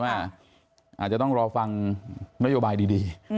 อาจจะต้องรอฟังนโยบายดี